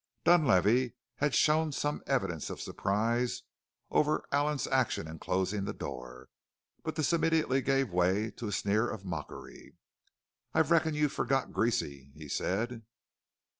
Dunlavey had shown some evidence of surprise over Allen's action in closing the door, but this immediately gave way to a sneer of mockery. "I reckon you've forgot Greasy," he said.